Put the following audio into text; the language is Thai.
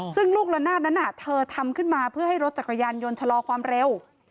ซึ่งลูกละนาดนั้นเธอทำขึ้นมาเพื่อให้รถจักรยานยนต์ชะลอความเร็ว